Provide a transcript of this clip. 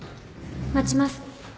待ちます